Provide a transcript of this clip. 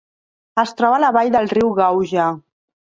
Es troba a la vall del riu Gauja.